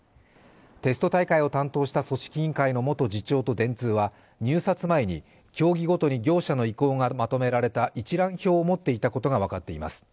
テスト大会を担当した組織委員会の元次長と電通は入札前に競技ごとに業者の意向がまとめられた一覧表を持っていたことが分かっています。